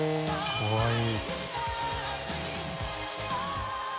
かわいい。